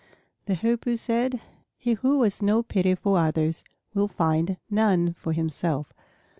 The Hoopoe said, "He who has no pity for others will find none for himself."